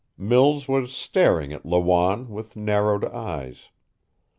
Mills was staring at Lawanne with narrowed eyes.